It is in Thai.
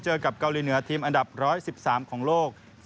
กับเกาหลีเหนือทีมอันดับ๑๑๓ของโลก